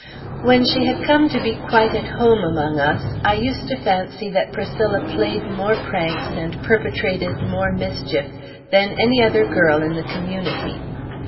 When she had come to be quite at home among us, I used to fancy that Priscilla played more pranks, and perpetrated more mischief, than any other girl in the Community.